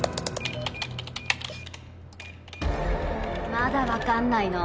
まだ分かんないの？